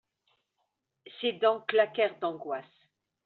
Ses dents claquèrent d’angoisse.